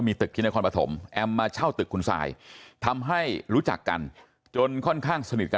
มีตึกที่นครปฐมแอมมาเช่าตึกคุณซายทำให้รู้จักกันจนค่อนข้างสนิทกัน